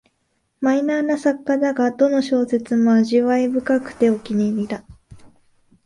マイナーな作家だが、どの小説も味わい深くてお気に入りだ